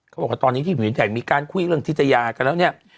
เขาบอกว่าตอนนี้ที่ผู้หญิงใหญ่มีการคุยเรื่องทิศยากันแล้วเนี่ย